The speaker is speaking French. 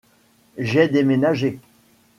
J’ai déménagé.